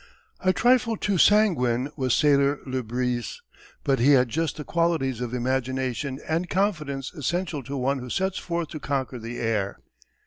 A trifle too sanguine was sailor Le Bris, but he had just the qualities of imagination and confidence essential to one who sets forth to conquer the air.